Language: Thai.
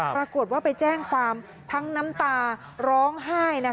ปรากฏว่าไปแจ้งความทั้งน้ำตาร้องไห้